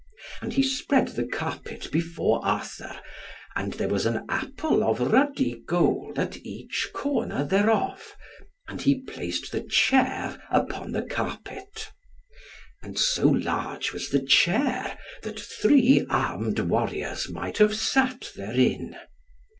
And he spread the carpet before Arthur, and there was an apple of ruddy gold at each corner thereof, and he placed the chair upon the carpet. And so large was the chair that three armed warriors might have sat therein.